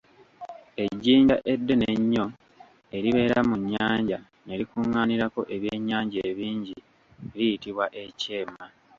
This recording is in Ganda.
Ejjinja eddene ennyo eribeera mu nnyanja ne likuŋaanirako ebyennyanja ebingi liyitibwa ekyema.